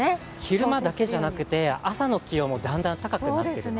昼間だけじゃなくて、朝の気温もだんだん高くなっているので。